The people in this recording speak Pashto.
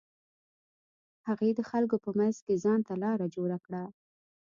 هغې د خلکو په منځ کښې ځان ته لاره جوړه کړه.